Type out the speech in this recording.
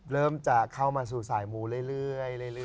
เริ่มจะเข้ามาสู่สายมูเรื่อย